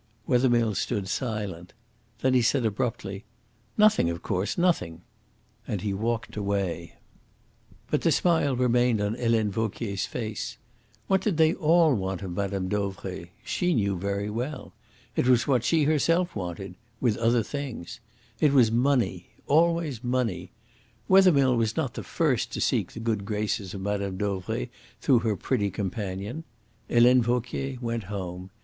Wethermill stood silent. Then he said abruptly: "Nothing, of course; nothing." And he walked away. But the smile remained on Helene Vauquier's face. What did they all want of Mme. Dauvray? She knew very well. It was what she herself wanted with other things. It was money always money. Wethermill was not the first to seek the good graces of Mme. Dauvray through her pretty companion. Helene Vauquier went home.